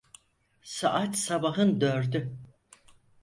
Saat sabahın dördü.